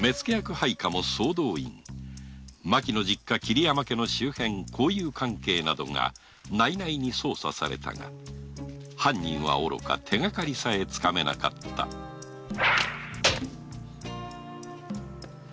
配下も総動員麻紀の実家桐山家の周辺交友関係などが内々に捜査されたが犯人はおろか手がかりさえつかめなかったお広敷用人・岸和田図書参上致しました。